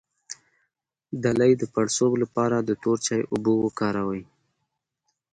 د لۍ د پړسوب لپاره د تور چای اوبه وکاروئ